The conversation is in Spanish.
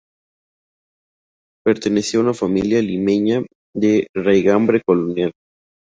Pertenecía a una familia limeña de raigambre colonial.